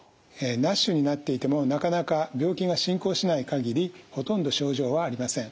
ＮＡＳＨになっていてもなかなか病気が進行しない限りほとんど症状はありません。